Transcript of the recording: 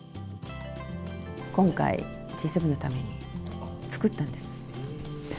今回、Ｇ７のために作ったんです。